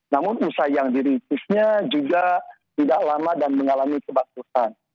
namun usaha yang dirintisnya juga tidak lama dan mengalami kebatusan